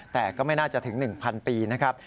แต่ก็ไม่น่าจะถึง๑๐๐ปีนะครับ